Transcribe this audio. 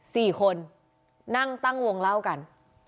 สี่คนนั่งตั้งวงเล่ากัน